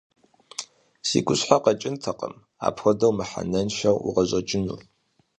Си гущхьэ къэкӀынтэкъым, апхуэдэу мыхьэнэншэу укъыщӀэкӀыну.